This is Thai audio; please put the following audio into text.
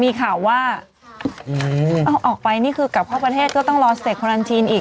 มีข่าวว่าเอาออกไปนี่คือกลับเข้าประเทศก็ต้องรอสเตควารันทีนอีก